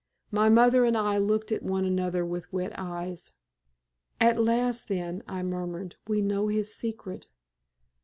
My mother and I looked at one another with wet eyes. "At last, then," I murmured, "we know his secret.